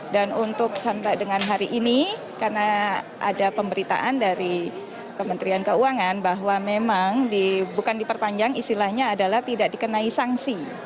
dan untuk sampai dengan hari ini karena ada pemberitaan dari kementerian keuangan bahwa memang bukan diperpanjang istilahnya adalah tidak dikenai sanksi